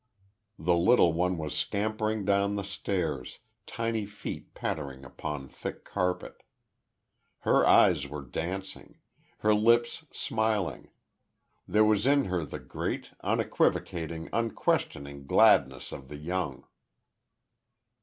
The little one was scampering down the stairs, tiny feet pattering upon thick carpet. Her eyes were dancing; her lips smiling; there was in her the great, unequivocating, unquestioning gladness of the young.